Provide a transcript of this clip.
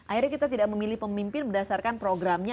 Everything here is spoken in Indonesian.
akhirnya kita tidak memilih pemimpin berdasarkan programnya